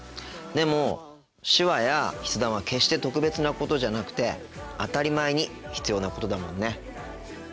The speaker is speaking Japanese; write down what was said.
でも手話や筆談は決して特別なことじゃなくて当たり前に必要なことだもんね。